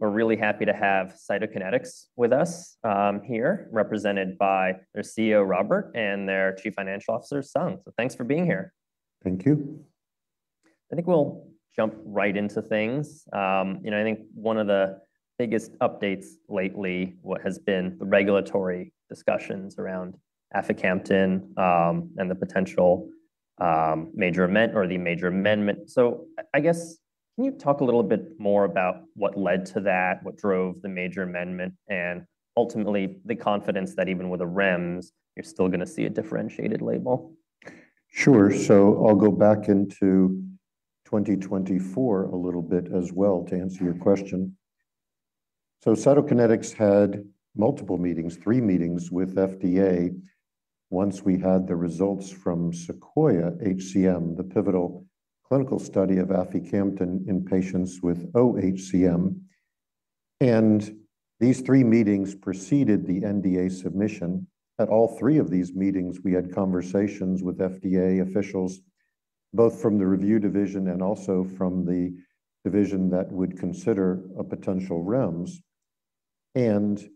We're really happy to have Cytokinetics with us here, represented by their CEO, Robert, and their Chief Financial Officer, Sung. Thanks for being here. Thank you. I think we'll jump right into things. You know, I think one of the biggest updates lately has been the regulatory discussions around Aficamten and the potential major amendment or the major amendment. I guess, can you talk a little bit more about what led to that, what drove the major amendment, and ultimately the confidence that even with a REMS, you're still going to see a differentiated label? Sure. I'll go back into 2024 a little bit as well to answer your question. Cytokinetics had multiple meetings, three meetings with FDA. Once we had the results from SEQUOIA-HCM, the pivotal clinical study of Aficamten in patients with oHCM. These three meetings preceded the NDA submission. At all three of these meetings, we had conversations with FDA officials, both from the review division and also from the division that would consider a potential REMS. In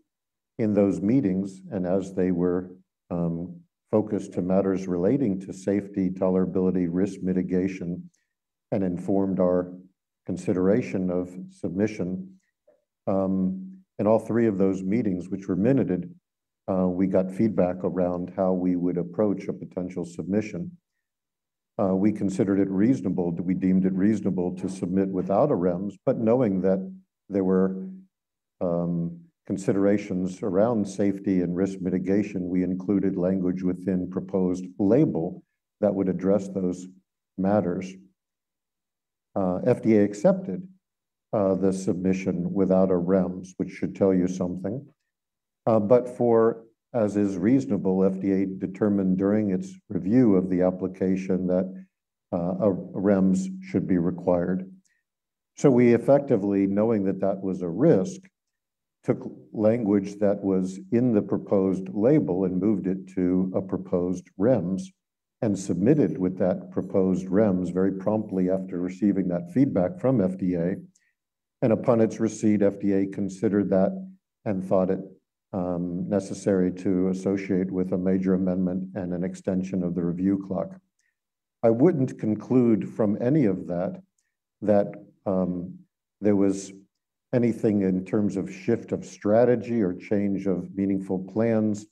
those meetings, as they were focused to matters relating to safety, tolerability, risk mitigation, and informed our consideration of submission, in all three of those meetings, which were minuted, we got feedback around how we would approach a potential submission. We considered it reasonable, we deemed it reasonable to submit without a REMS. Knowing that there were considerations around safety and risk mitigation, we included language within the proposed label that would address those matters. FDA accepted the submission without a REMS, which should tell you something. For, as is reasonable, FDA determined during its review of the application that a REMS should be required. We effectively, knowing that that was a risk, took language that was in the proposed label and moved it to a proposed REMS and submitted with that proposed REMS very promptly after receiving that feedback from FDA. Upon its receipt, FDA considered that and thought it necessary to associate with a major amendment and an extension of the review clock. I would not conclude from any of that that there was anything in terms of shift of strategy or change of meaningful plans.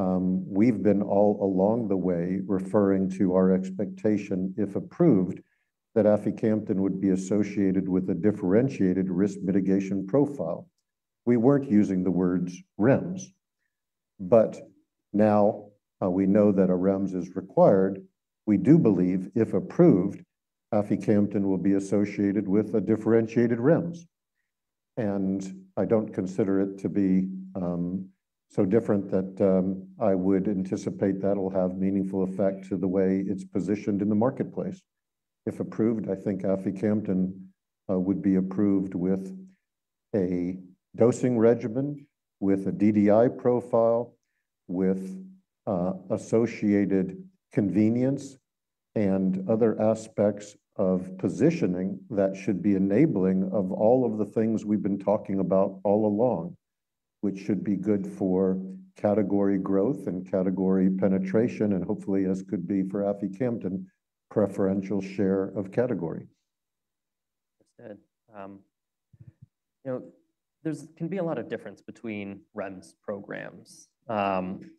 We've been all along the way referring to our expectation, if approved, that Aficamten would be associated with a differentiated risk mitigation profile. We weren't using the words REMS. Now we know that a REMS is required. We do believe if approved, Aficamten will be associated with a differentiated REMS. I don't consider it to be so different that I would anticipate that will have meaningful effect to the way it's positioned in the marketplace. If approved, I think Aficamten would be approved with a dosing regimen, with a DDI profile, with associated convenience and other aspects of positioning that should be enabling of all of the things we've been talking about all along, which should be good for category growth and category penetration, and hopefully, as could be for Aficamten, preferential share of category. Understood. You know, there can be a lot of difference between REMS programs. Can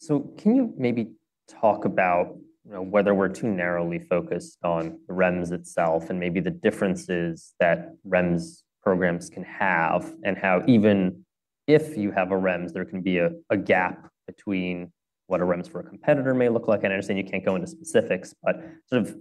you maybe talk about whether we're too narrowly focused on the REMS itself and maybe the differences that REMS programs can have and how even if you have a REMS, there can be a gap between what a REMS for a competitor may look like? I understand you can't go into specifics, but sort of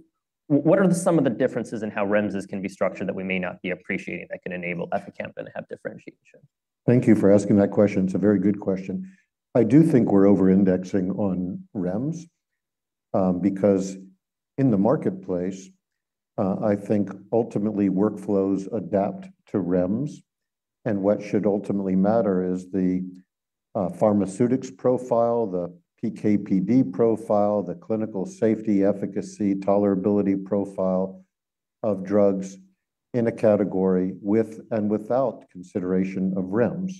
what are some of the differences in how REMSes can be structured that we may not be appreciating that can enable Aficamten to have differentiation? Thank you for asking that question. It's a very good question. I do think we're over-indexing on REMS because in the marketplace, I think ultimately workflows adapt to REMS. What should ultimately matter is the pharmaceutics profile, the PKPD profile, the clinical safety, efficacy, tolerability profile of drugs in a category with and without consideration of REMS.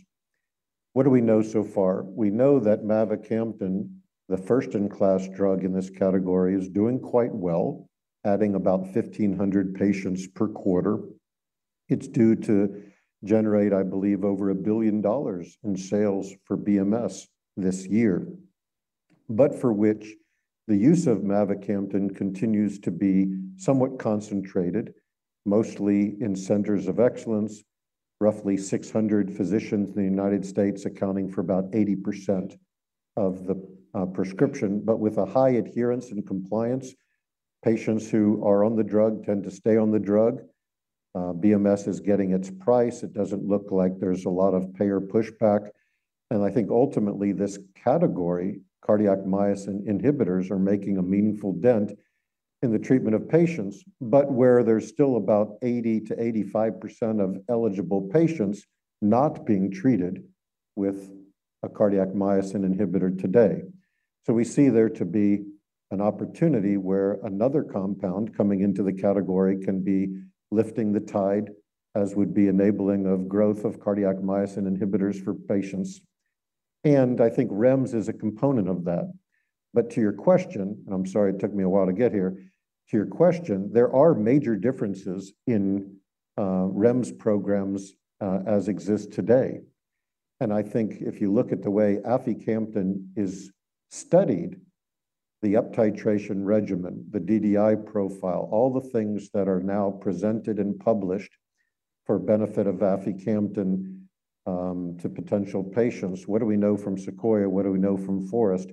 What do we know so far? We know that Mavacamten, the first-in-class drug in this category, is doing quite well, adding about 1,500 patients per quarter. It's due to generate, I believe, over $1 billion in sales for BMS this year, but for which the use of Mavacamten continues to be somewhat concentrated, mostly in centers of excellence, roughly 600 physicians in the United States accounting for about 80% of the prescription, but with a high adherence and compliance. Patients who are on the drug tend to stay on the drug. BMS is getting its price. It doesn't look like there's a lot of payer pushback. I think ultimately this category, cardiac myosin inhibitors, are making a meaningful dent in the treatment of patients, but where there's still about 80%-85% of eligible patients not being treated with a cardiac myosin inhibitor today. We see there to be an opportunity where another compound coming into the category can be lifting the tide, as would be enabling of growth of cardiac myosin inhibitors for patients. I think REMS is a component of that. To your question, and I'm sorry, it took me a while to get here, to your question, there are major differences in REMS programs as exist today. I think if you look at the way Aficamten is studied, the uptitration regimen, the DDI profile, all the things that are now presented and published for benefit of Aficamten to potential patients, what do we know from SEQUOIA? What do we know from FOREST?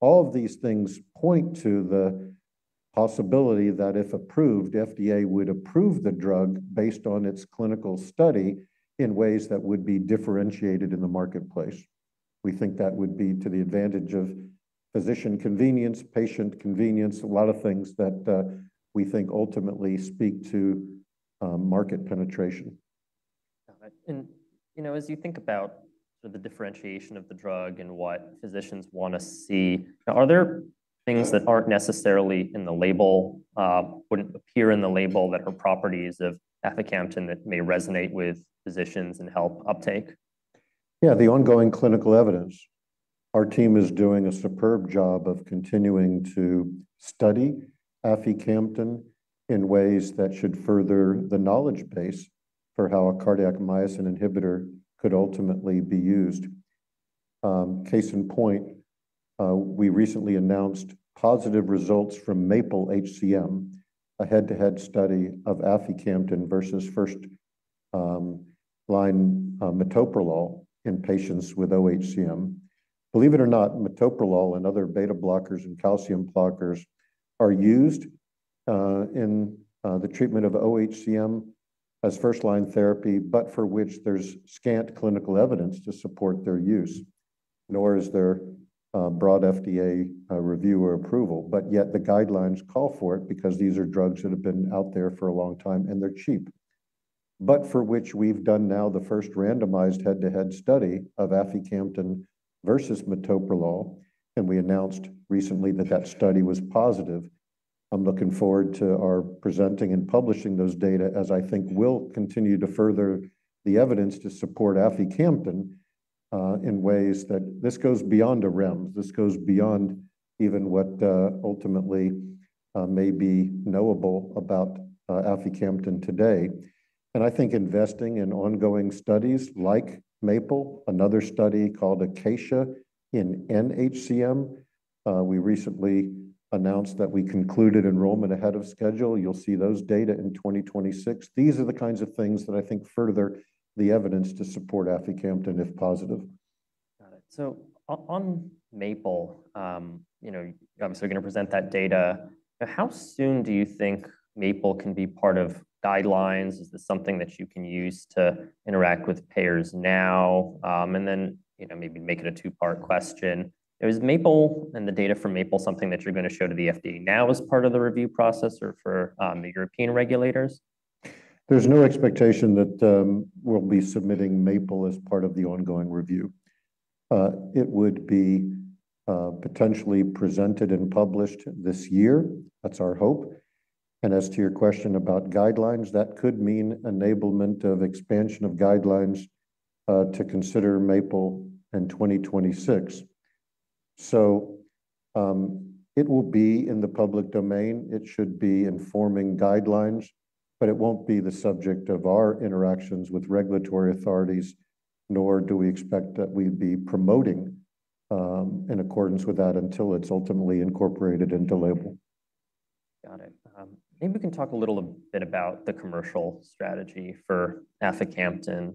All of these things point to the possibility that if approved, FDA would approve the drug based on its clinical study in ways that would be differentiated in the marketplace. We think that would be to the advantage of physician convenience, patient convenience, a lot of things that we think ultimately speak to market penetration. Got it. You know, as you think about the differentiation of the drug and what physicians want to see, are there things that are not necessarily in the label, would not appear in the label, that are properties of Aficamten that may resonate with physicians and help uptake? Yeah, the ongoing clinical evidence. Our team is doing a superb job of continuing to study Aficamten in ways that should further the knowledge base for how a cardiac myosin inhibitor could ultimately be used. Case in point, we recently announced positive results from MAPLE-HCM, a head-to-head study of Aficamten versus first-line metoprolol in patients with oHCM. Believe it or not, metoprolol and other beta blockers and calcium blockers are used in the treatment of oHCM as first-line therapy, but for which there's scant clinical evidence to support their use, nor is there broad FDA review or approval. Yet the guidelines call for it because these are drugs that have been out there for a long time and they're cheap. For which we've done now the first randomized head-to-head study of Aficamten versus metoprolol, and we announced recently that that study was positive. I'm looking forward to our presenting and publishing those data, as I think will continue to further the evidence to support Aficamten in ways that this goes beyond a REMS. This goes beyond even what ultimately may be knowable about Aficamten today. I think investing in ongoing studies like MAPLE, another study called ACACIA in NHCM, we recently announced that we concluded enrollment ahead of schedule. You'll see those data in 2026. These are the kinds of things that I think further the evidence to support Aficamten if positive. Got it. On MAPLE, you know, obviously you're going to present that data. How soon do you think MAPLE can be part of guidelines? Is this something that you can use to interact with payers now? You know, maybe make it a two-part question. Is MAPLE and the data from MAPLE something that you're going to show to the FDA now as part of the review process or for the European regulators? There's no expectation that we'll be submitting MAPLE as part of the ongoing review. It would be potentially presented and published this year. That's our hope. As to your question about guidelines, that could mean enablement of expansion of guidelines to consider MAPLE in 2026. It will be in the public domain. It should be informing guidelines, but it won't be the subject of our interactions with regulatory authorities, nor do we expect that we'd be promoting in accordance with that until it's ultimately incorporated into label. Got it. Maybe we can talk a little bit about the commercial strategy for Aficamten. I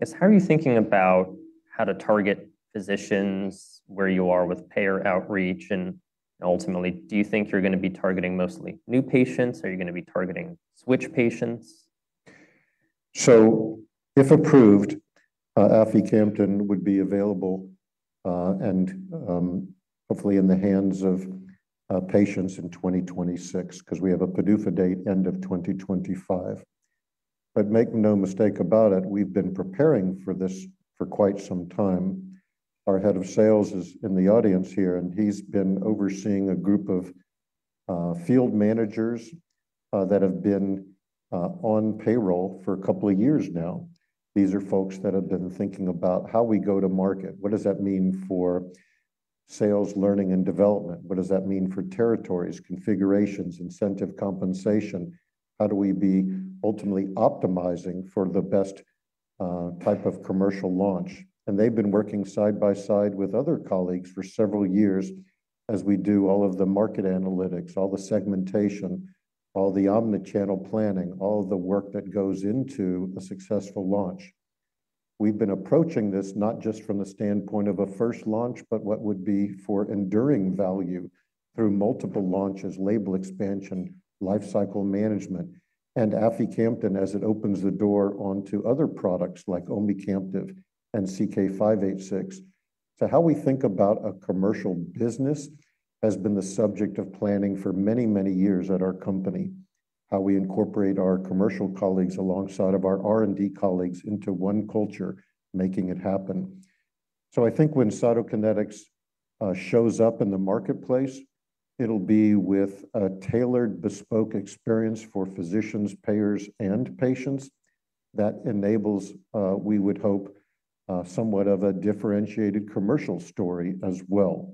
guess, how are you thinking about how to target physicians where you are with payer outreach? Ultimately, do you think you're going to be targeting mostly new patients? Are you going to be targeting switch patients? If approved, Aficamten would be available and hopefully in the hands of patients in 2026 because we have a PDUFA date end of 2025. Make no mistake about it, we've been preparing for this for quite some time. Our Head of Sales is in the audience here, and he's been overseeing a group of field managers that have been on payroll for a couple of years now. These are folks that have been thinking about how we go to market. What does that mean for sales learning and development? What does that mean for territories, configurations, incentive compensation? How do we be ultimately optimizing for the best type of commercial launch? They've been working side by side with other colleagues for several years as we do all of the market analytics, all the segmentation, all the omnichannel planning, all of the work that goes into a successful launch. We've been approaching this not just from the standpoint of a first launch, but what would be for enduring value through multiple launches, label expansion, lifecycle management, and Aficamten as it opens the door onto other products like Omecamtiv mecarbil and CK-586. How we think about a commercial business has been the subject of planning for many, many years at our company, how we incorporate our commercial colleagues alongside of our R&D colleagues into one culture, making it happen. I think when Cytokinetics shows up in the marketplace, it'll be with a tailored bespoke experience for physicians, payers, and patients that enables, we would hope, somewhat of a differentiated commercial story as well.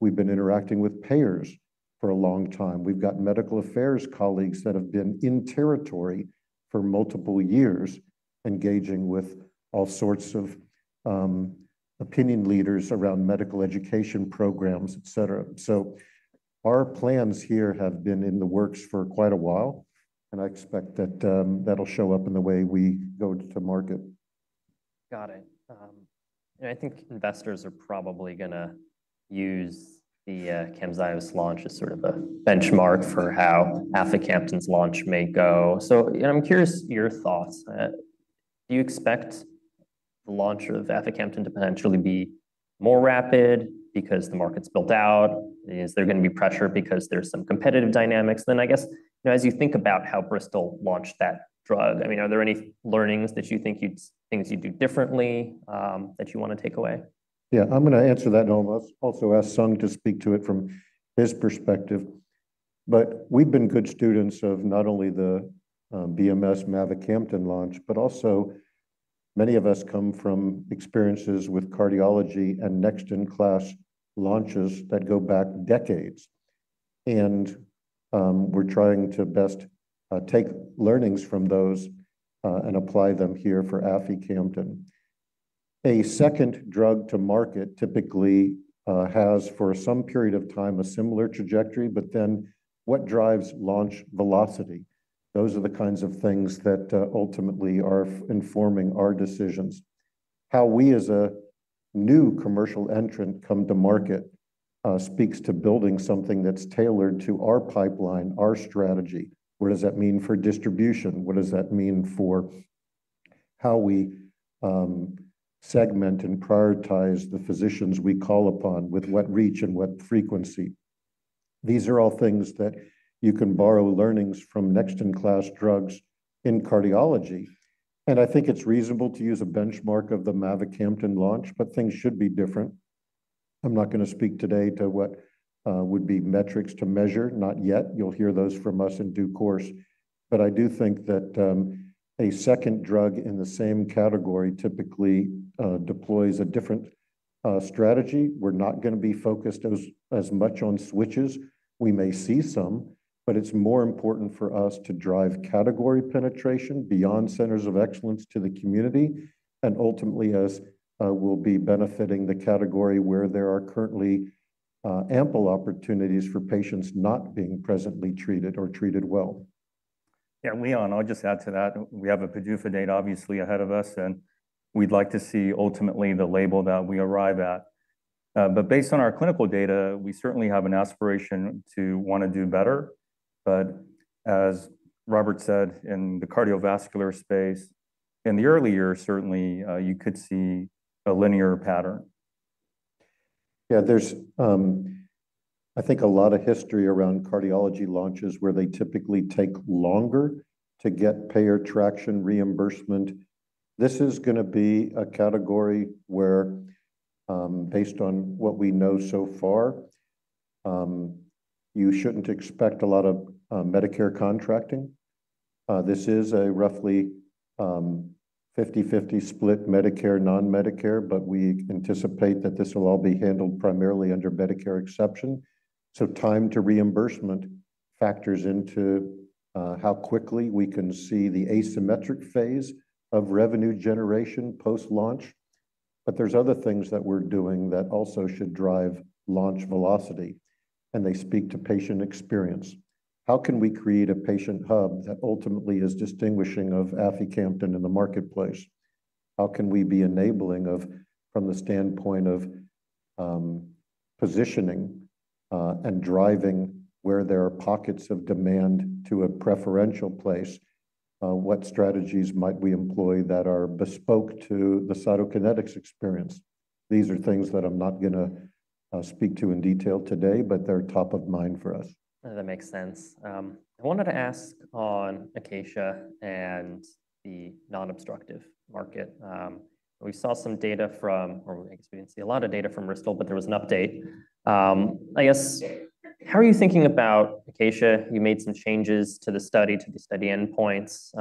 We've been interacting with payers for a long time. We've got medical affairs colleagues that have been in territory for multiple years, engaging with all sorts of opinion leaders around medical education programs, et cetera. Our plans here have been in the works for quite a while, and I expect that that'll show up in the way we go to market. Got it. I think investors are probably going to use the Camzyos launch as sort of a benchmark for how Aficamten's launch may go. I'm curious your thoughts. Do you expect the launch of Aficamten to potentially be more rapid because the market's built out? Is there going to be pressure because there's some competitive dynamics? I guess, you know, as you think about how Bristol launched that drug, I mean, are there any learnings that you think you'd, things you'd do differently that you want to take away? Yeah, I'm going to answer that and also ask Sung to speak to it from his perspective. We've been good students of not only the BMS Mavacamten launch, but also many of us come from experiences with cardiology and next-in-class launches that go back decades. We're trying to best take learnings from those and apply them here for Aficamten. A second drug to market typically has for some period of time a similar trajectory, but then what drives launch velocity? Those are the kinds of things that ultimately are informing our decisions. How we as a new commercial entrant come to market speaks to building something that's tailored to our pipeline, our strategy. What does that mean for distribution? What does that mean for how we segment and prioritize the physicians we call upon with what reach and what frequency? These are all things that you can borrow learnings from next-in-class drugs in cardiology. I think it's reasonable to use a benchmark of the Mavacamten launch, but things should be different. I'm not going to speak today to what would be metrics to measure, not yet. You'll hear those from us in due course. I do think that a second drug in the same category typically deploys a different strategy. We're not going to be focused as much on switches. We may see some, but it's more important for us to drive category penetration beyond centers of excellence to the community and ultimately as will be benefiting the category where there are currently ample opportunities for patients not being presently treated or treated well. Yeah, Leon, I'll just add to that. We have a PDUFA date obviously ahead of us, and we'd like to see ultimately the label that we arrive at. Based on our clinical data, we certainly have an aspiration to want to do better. As Robert said, in the cardiovascular space, in the early years, certainly you could see a linear pattern. Yeah, there's, I think, a lot of history around cardiology launches where they typically take longer to get payer traction reimbursement. This is going to be a category where, based on what we know so far, you shouldn't expect a lot of Medicare contracting. This is a roughly 50/50 split Medicare, non-Medicare, but we anticipate that this will all be handled primarily under Medicare exception. Time to reimbursement factors into how quickly we can see the asymmetric phase of revenue generation post-launch. There are other things that we're doing that also should drive launch velocity, and they speak to patient experience. How can we create a patient hub that ultimately is distinguishing of Aficamten in the marketplace? How can we be enabling from the standpoint of positioning and driving where there are pockets of demand to a preferential place? What strategies might we employ that are bespoke to the Cytokinetics experience? These are things that I'm not going to speak to in detail today, but they're top of mind for us. That makes sense. I wanted to ask on ACACIA and the non-obstructive market. We saw some data from, or I guess we did not see a lot of data from Bristol, but there was an update. I guess, how are you thinking about ACACIA? You made some changes to the study, to the study endpoints.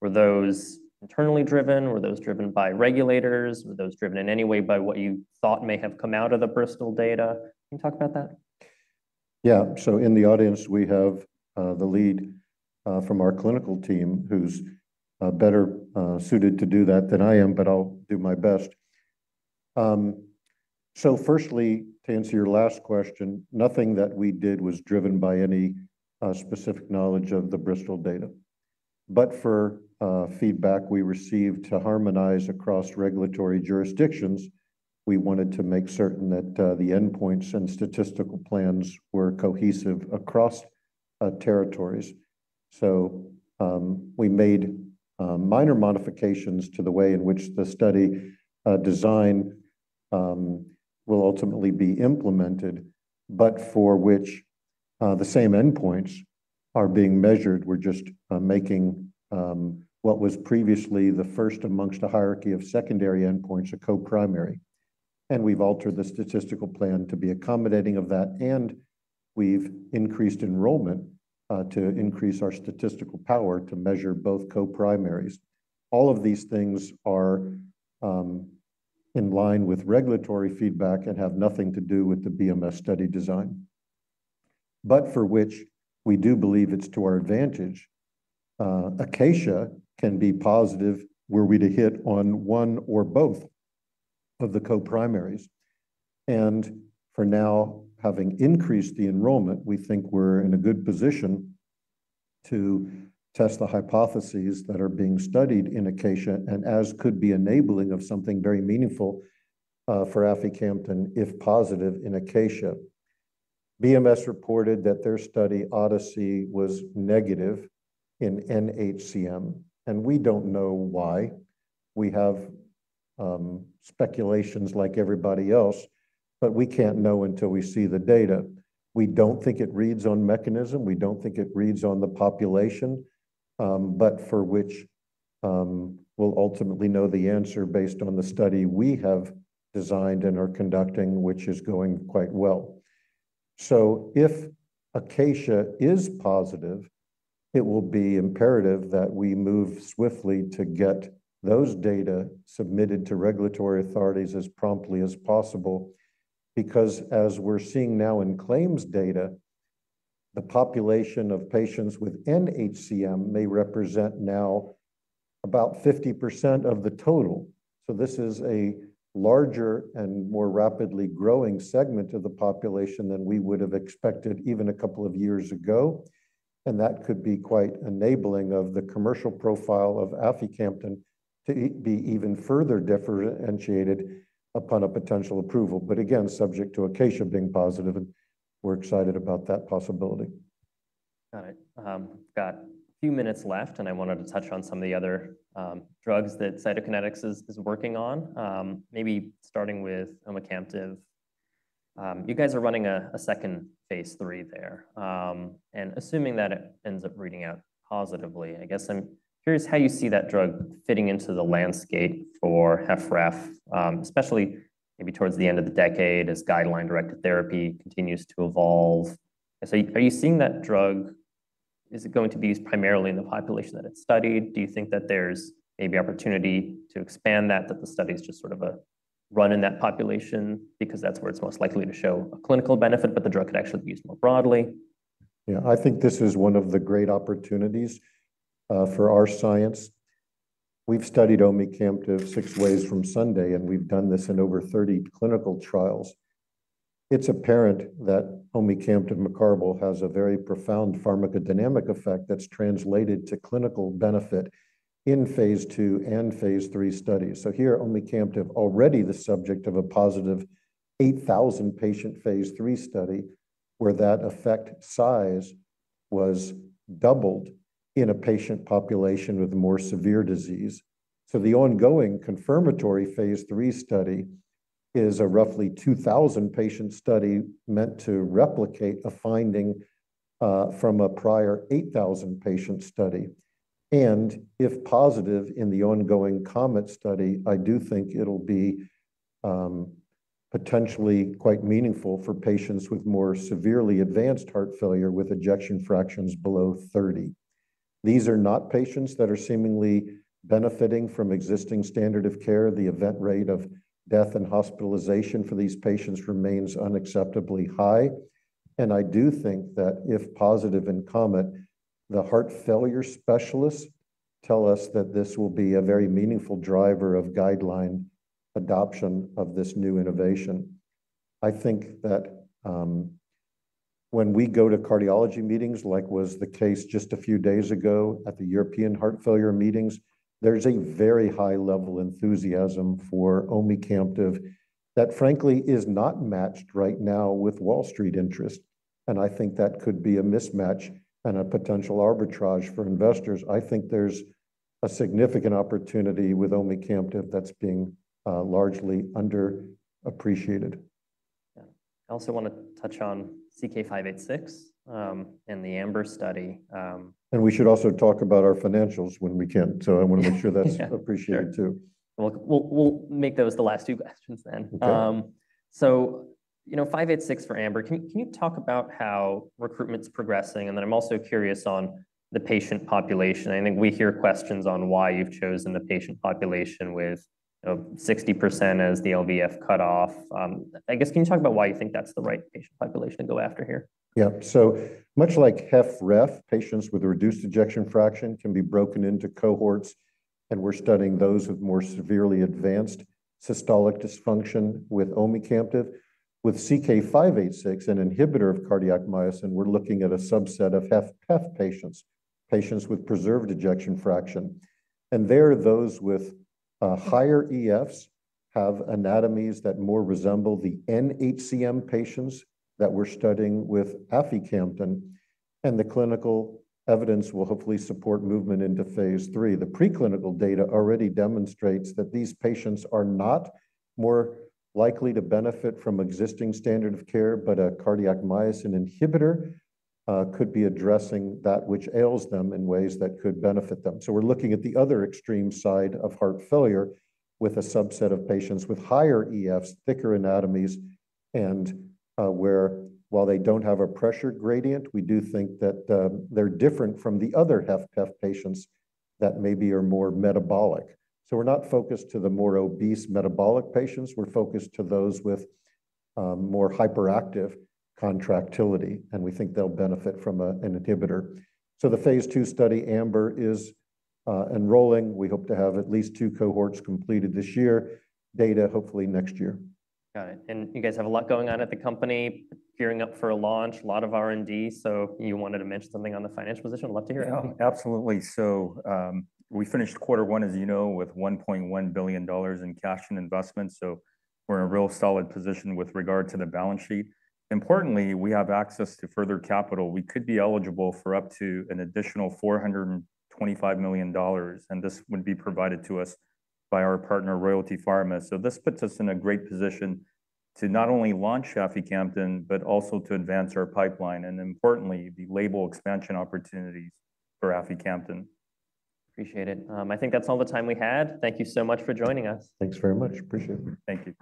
Were those internally driven? Were those driven by regulators? Were those driven in any way by what you thought may have come out of the Bristol data? Can you talk about that? Yeah. In the audience, we have the lead from our clinical team who's better suited to do that than I am, but I'll do my best. Firstly, to answer your last question, nothing that we did was driven by any specific knowledge of the Bristol data. For feedback we received to harmonize across regulatory jurisdictions, we wanted to make certain that the endpoints and statistical plans were cohesive across territories. We made minor modifications to the way in which the study design will ultimately be implemented, but for which the same endpoints are being measured. We're just making what was previously the first amongst a hierarchy of secondary endpoints a co-primary. We've altered the statistical plan to be accommodating of that, and we've increased enrollment to increase our statistical power to measure both co-primaries. All of these things are in line with regulatory feedback and have nothing to do with the BMS study design. For which we do believe it's to our advantage, ACACIA can be positive were we to hit on one or both of the co-primaries. For now, having increased the enrollment, we think we're in a good position to test the hypotheses that are being studied in ACACIA and as could be enabling of something very meaningful for Aficamten if positive in ACACIA. BMS reported that their study ODYSSEY was negative in NHCM, and we don't know why. We have speculations like everybody else, but we can't know until we see the data. We don't think it reads on mechanism. We don't think it reads on the population, but for which we'll ultimately know the answer based on the study we have designed and are conducting, which is going quite well. If ACACIA is positive, it will be imperative that we move swiftly to get those data submitted to regulatory authorities as promptly as possible because as we're seeing now in claims data, the population of patients with NHCM may represent now about 50% of the total. This is a larger and more rapidly growing segment of the population than we would have expected even a couple of years ago. That could be quite enabling of the commercial profile of Aficamten to be even further differentiated upon a potential approval, but again, subject to ACACIA being positive. We're excited about that possibility. Got it. We've got a few minutes left, and I wanted to touch on some of the other drugs that Cytokinetics is working on, maybe starting with Omecamtiv. You guys are running a second phase 3 there. Assuming that it ends up reading out positively, I guess I'm curious how you see that drug fitting into the landscape for HFrEF, especially maybe towards the end of the decade as guideline-directed therapy continues to evolve. Are you seeing that drug, is it going to be used primarily in the population that it's studied? Do you think that there's maybe opportunity to expand that, that the study is just sort of a run in that population because that's where it's most likely to show a clinical benefit, but the drug could actually be used more broadly? Yeah, I think this is one of the great opportunities for our science. We've studied omecamtiv mecarbil six ways from Sunday, and we've done this in over 30 clinical trials. It's apparent that omecamtiv mecarbil has a very profound pharmacodynamic effect that's translated to clinical benefit in phase two and phase three studies. Here, omecamtiv is already the subject of a positive 8,000 patient phase three study where that effect size was doubled in a patient population with more severe disease. The ongoing confirmatory phase three study is a roughly 2,000 patient study meant to replicate a finding from a prior 8,000 patient study. If positive in the ongoing COMET study, I do think it'll be potentially quite meaningful for patients with more severely advanced heart failure with ejection fractions below 30%. These are not patients that are seemingly benefiting from existing standard of care. The event rate of death and hospitalization for these patients remains unacceptably high. I do think that if positive in COMET, the heart failure specialists tell us that this will be a very meaningful driver of guideline adoption of this new innovation. I think that when we go to cardiology meetings, like was the case just a few days ago at the European heart failure meetings, there's a very high level of enthusiasm for Omecamtiv that frankly is not matched right now with Wall Street interest. I think that could be a mismatch and a potential arbitrage for investors. I think there's a significant opportunity with Omecamtiv that's being largely underappreciated. Yeah. I also want to touch on CK-586 and the AMBER study. We should also talk about our financials when we can. I want to make sure that's appreciated too. We'll make those the last two questions then. You know, 586 for AMBER, can you talk about how recruitment's progressing? I'm also curious on the patient population. I think we hear questions on why you've chosen the patient population with 60% as the LVF cutoff. I guess can you talk about why you think that's the right patient population to go after here? Yeah. Much like HFrEF, patients with a reduced ejection fraction can be broken into cohorts. We're studying those with more severely advanced systolic dysfunction with Omecamtiv mecarbil. With CK-586, an inhibitor of cardiac myosin, we're looking at a subset of HF patients, patients with preserved ejection fraction. There, those with higher EFs have anatomies that more resemble the NHCM patients that we're studying with Aficamten. The clinical evidence will hopefully support movement into phase three. The preclinical data already demonstrates that these patients are not more likely to benefit from existing standard of care, but a cardiac myosin inhibitor could be addressing that which ails them in ways that could benefit them. We're looking at the other extreme side of heart failure with a subset of patients with higher EFs, thicker anatomies, and where while they don't have a pressure gradient, we do think that they're different from the other HF patients that maybe are more metabolic. We're not focused to the more obese metabolic patients. We're focused to those with more hyperactive contractility. We think they'll benefit from an inhibitor. The phase two study, AMBER, is enrolling. We hope to have at least two cohorts completed this year, data hopefully next year. Got it. You guys have a lot going on at the company, gearing up for a launch, a lot of R&D. You wanted to mention something on the financial position. I'd love to hear it. Yeah, absolutely. We finished quarter one, as you know, with $1.1 billion in cash and investment. We are in a real solid position with regard to the balance sheet. Importantly, we have access to further capital. We could be eligible for up to an additional $425 million. This would be provided to us by our partner, Royalty Pharma. This puts us in a great position to not only launch Aficamten, but also to advance our pipeline and, importantly, the label expansion opportunities for Aficamten. Appreciate it. I think that's all the time we had. Thank you so much for joining us. Thanks very much. Appreciate it. Thank you.